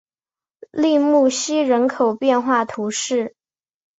利穆西人口变化图示